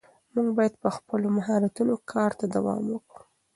موږ باید پر خپلو مهارتونو کار ته دوام ورکړو